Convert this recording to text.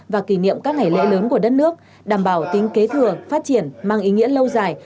và kỷ niệm các ngày lễ lớn của đất nước đảm bảo tính kế thừa phát triển mang ý nghĩa lâu dài